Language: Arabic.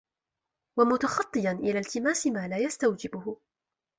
وَمُتَخَطِّيًا إلَى الْتِمَاسِ مَا لَا يَسْتَوْجِبُهُ